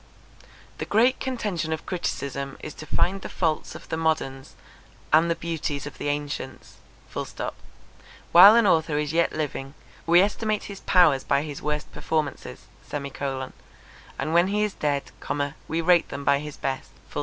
The great contention of criticism is to find the faults of the moderns and the beauties of the ancients. While an author is yet living, we estimate his powers by his worst performances; and when he is dead, we rate them by his best.